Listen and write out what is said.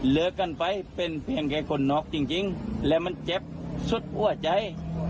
เลิกกันไปเป็นเพียงแค่คนน็อกจริงและมันเจ็บสุดหัวใจ